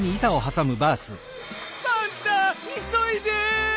パンタいそいで！